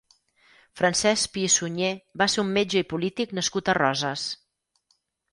Francesc Pi i Sunyer va ser un metge i polític nascut a Roses.